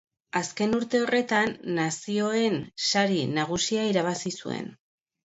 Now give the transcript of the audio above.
Azken urte horretan, Nazioen Sari Nagusia irabazi zuen.